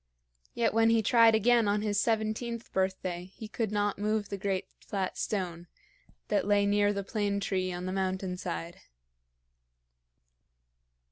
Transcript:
Yet when he tried again on his seventeenth birthday, he could not move the great flat stone that lay near the plane tree on the mountain side.